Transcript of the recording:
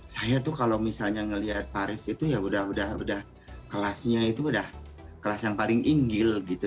saya tuh kalau misalnya melihat paris itu ya udah kelasnya itu udah kelas yang paling inggil gitu